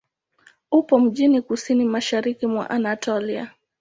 Upo mjini kusini-mashariki mwa Anatolia.